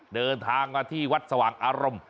เดินทางมาที่วัดสว่างอารมณ์